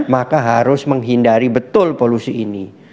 maka harus menghindari betul polusi ini